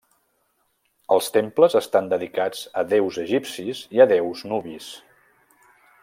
Els temples estan dedicats a déus egipcis i a déus nubis.